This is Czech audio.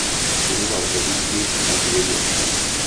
Studoval ve Vídni a v Jeně.